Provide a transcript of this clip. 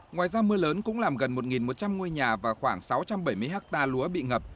ngoài ra mưa lớn cũng làm gần một một trăm linh ngôi nhà và khoảng sáu trăm bảy mươi ha lúa bị ngập